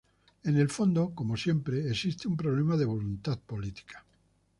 En el fondo, como siempre, existe un problema de voluntad política.